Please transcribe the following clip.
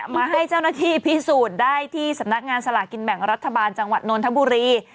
มาให้เจ้าหน้าที่พิสูจน์ได้ที่สำนักงานสลากินแบ่งรัฐบาลจังหวัดนนทบุรี